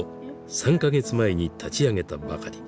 ３か月前に立ち上げたばかり。